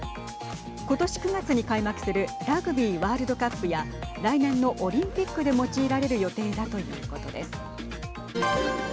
今年９月に開幕するラグビーワールドカップや来年のオリンピックで用いられる予定だということです。